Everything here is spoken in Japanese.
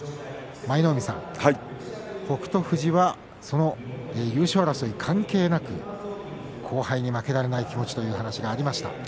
舞の海さん、北勝富士は優勝争い関係なく後輩に負けられない気持ちという話がありました。